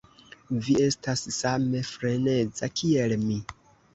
Vi estas same freneza, kiel mi.